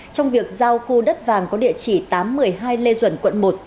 trong việc giao khu đất vàng có địa chỉ tám trăm một mươi hai lê duẩn quận một